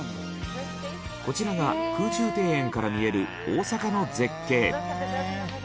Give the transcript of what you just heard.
こちらが空中庭園から見える大阪の絶景。